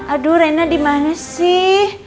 aduh reina dimana sih